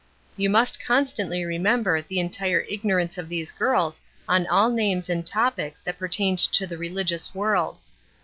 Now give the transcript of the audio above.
You must constantly remember the entire ignorance of these girls on all names and topics that pertained to the religious world.